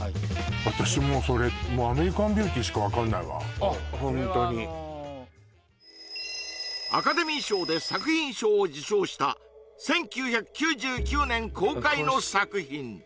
私もうそれ「アメリカン・ビューティー」しか分かんないわこれはあのアカデミー賞で作品賞を受賞した１９９９年公開の作品